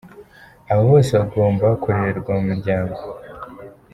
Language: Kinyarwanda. Aba bose ngo bagomba kurererwa mu miryango.